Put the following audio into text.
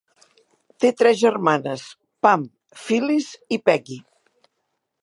Té tres germanes: Pam, Phyllis i Peggy.